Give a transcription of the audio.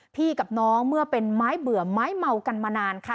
กับน้องเมื่อเป็นไม้เบื่อไม้เมากันมานานค่ะ